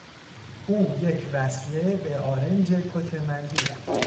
او یک وصله به آرنج کت من دوخت.